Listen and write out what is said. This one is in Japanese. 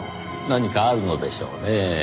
何かあるのでしょうねぇ。